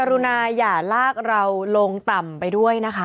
รุณาอย่าลากเราลงต่ำไปด้วยนะคะ